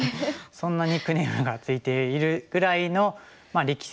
そんなニックネームが付いているぐらいの力戦家ですよね。